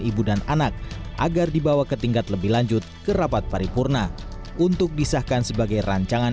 ibu dan anak agar dibawa ke tingkat lebih lanjut ke rapat paripurna untuk disahkan sebagai rancangan